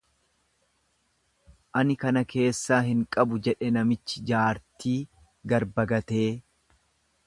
Ani kana keessaa hin qabu jedhe namtichi jaartii garba gatee.